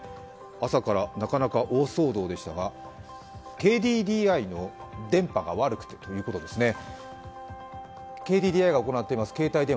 朝からなかなか大騒動でしたが、ＫＤＤＩの電波が悪いということですね。